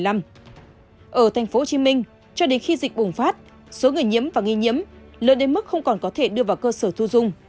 ở tp hcm cho đến khi dịch bùng phát số người nhiễm và nghi nhiễm lợi đến mức không còn có thể đưa vào cơ sở thu dung